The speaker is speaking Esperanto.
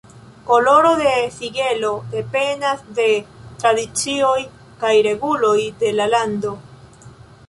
Koloro de sigelo dependas de tradicioj kaj reguloj de la lando.